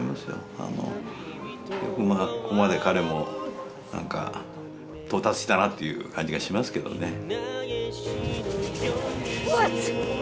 よくまあここまで彼も何か到達したなっていう感じがしますけどね。